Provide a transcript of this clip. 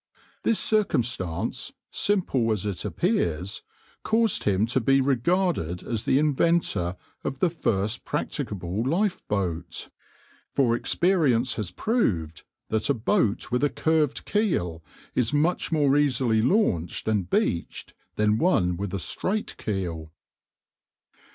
This circumstance, simple as it appears, caused him to be regarded as the inventor of the first practicable lifeboat, for experience has proved that a boat with a curved keel is much more easily launched and beached than one with a straight keel.